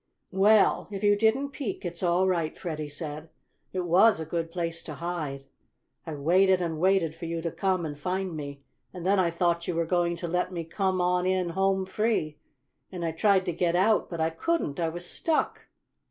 "Well, if you didn't peek it's all right," Freddie said. "It was a good place to hide. I waited and waited for you to come and find me and then I thought you were going to let me come on in home free, and I tried to get out. But I couldn't I was stuck."